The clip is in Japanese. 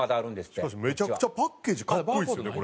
しかしめちゃくちゃパッケージかっこいいですよねこれ。